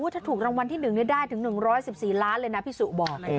ถ้าถูกรางวัลที่๑ได้ถึง๑๑๔ล้านเลยนะพี่สุบอก